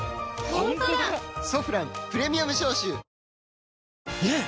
「ソフランプレミアム消臭」ねえ‼